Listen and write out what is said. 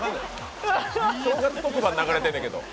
正月特番流れてんねんけど。